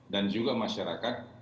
dan juga masyarakat